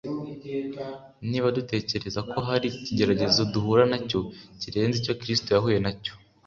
Niba dutekereza ko hari ikigeragezo duhura na cyo kirenze icyo Kristo yahuye na cyo